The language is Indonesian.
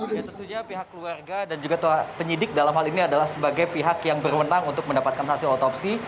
ya tentunya pihak keluarga dan juga penyidik dalam hal ini adalah sebagai pihak yang berwenang untuk mendapatkan hasil otopsi